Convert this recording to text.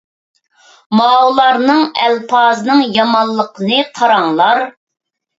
ماۋۇلارنىڭ ئەلپازىنىڭ يامانلىقىنى قاراڭلار.